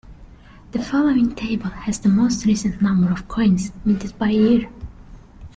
The following table has the most recent numbers of coins minted by year.